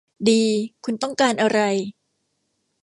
ดี คุณต้องการอะไร